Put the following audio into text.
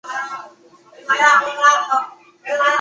从而产生了劳动的节奏感。